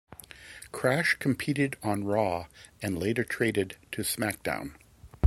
Crash competed on Raw and later traded to SmackDown!